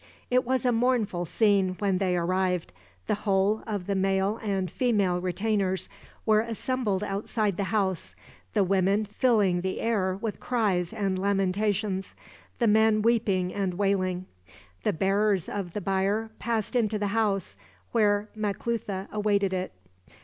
It was a mournful scene, when they arrived. The whole of the male and female retainers were assembled outside the house, the women filling the air with cries and lamentations, the men weeping and wailing. The bearers of the bier passed into the house, where Maclutha awaited it.